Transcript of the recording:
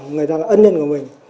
người ta là ân nhân của mình